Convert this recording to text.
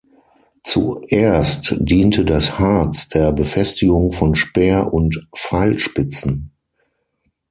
Zuerst diente das Harz der Befestigung von Speer- und Pfeilspitzen.